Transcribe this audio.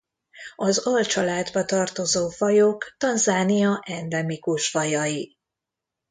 Az alcsaládba tartozó fajok Tanzánia endemikus fajai.